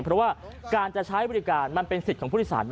เพราะว่าการจะใช้บริการมันเป็นสิทธิ์ของผู้โดยสาร